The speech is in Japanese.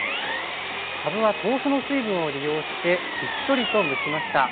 かぶは豆腐の水分を利用してしっとりと蒸しました。